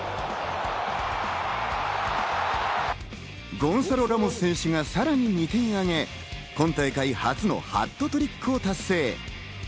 ゴンサロ・ラモス選手がさらに２点挙げ、今大会初のハットトリックを達成。